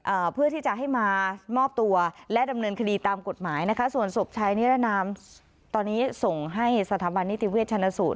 เพื่อที่จะให้มามอบตัวและดำเนินคดีตามกฎหมายนะคะส่วนศพชายนิรนามตอนนี้ส่งให้สถาบันนิติเวชชนสูตร